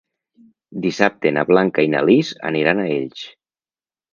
Dissabte na Blanca i na Lis aniran a Elx.